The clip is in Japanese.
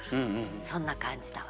そんな感じだわ。